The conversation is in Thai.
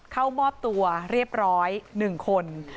เข้ามอบตัวเรียบร้อย๑คน